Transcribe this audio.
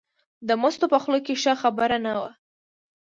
د مستو په خوله کې ښه خبره نه وه.